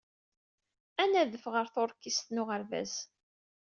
Ad nadef ɣer tuṛkist n uɣerbaz.